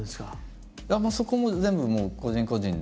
そこも全部もう個人個人で。